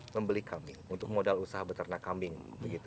membeli kambing untuk modal usaha beternak kambing